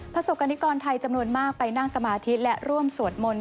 ประสบกรณิกรไทยจำนวนมากไปนั่งสมาธิและร่วมสวดมนต์